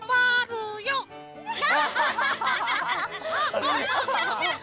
アハハハハ！